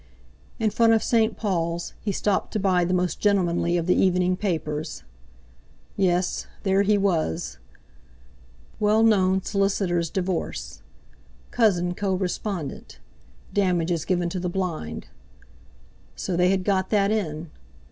In front of St. Paul's, he stopped to buy the most gentlemanly of the evening papers. Yes! there he was! "Well known solicitor's divorce. Cousin co respondent. Damages given to the blind"—so, they had got that in!